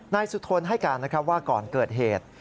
นายสุธนให้การนะครับว่าก่อนเกิดเหตุ